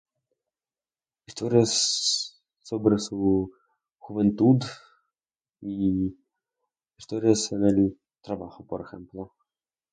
La historia es sobre su juventud y... la historia es en el trabajo, por ejemplo.